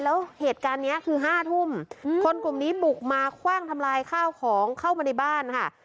แล้วเหตุการณ์นี้คือ๕ทุ่มคนกลุ่มนี้บุกมาคว่างทำลายข้าวของเข้ามาในบ้านค่ะ